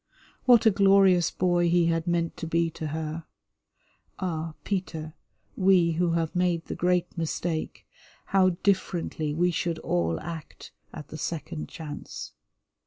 What a glorious boy he had meant to be to her. Ah, Peter, we who have made the great mistake, how differently we should all act at the second chance.